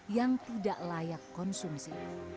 yang tidak layak konsumsi